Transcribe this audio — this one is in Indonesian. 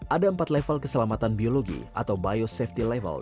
ada empat level keselamatan biologi atau biosafety level